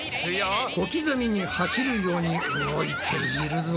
小刻みに走るように動いているぞ。